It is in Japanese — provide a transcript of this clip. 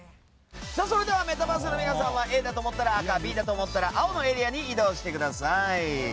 メタバースの皆さんはＡだと思ったら赤Ｂだと思ったら青のエリアに移動してください。